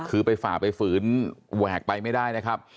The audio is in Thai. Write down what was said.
คือไปฝ่าไปฝืนแหวกไปไม่ได้นะครับ